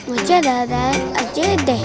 aja darat aja deh